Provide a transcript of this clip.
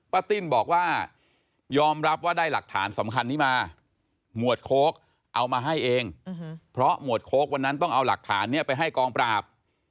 ติ้นบอกว่ายอมรับว่าได้หลักฐานสำคัญนี้มาหมวดโค้กเอามาให้เองเพราะหมวดโค้กวันนั้นต้องเอาหลักฐานเนี่ยไปให้กองปราบ